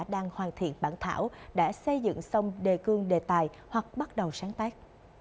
đang hoàn thiện bản thảo đã xây dựng xong đề cương đề tài hoặc bắt đầu sáng tác